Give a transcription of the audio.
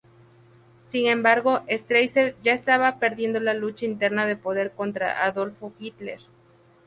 Sin embargo, Strasser ya estaba perdiendo la lucha interna de poder contra Adolf Hitler.